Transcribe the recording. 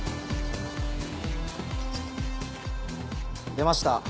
出ました